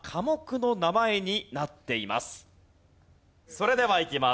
それではいきます。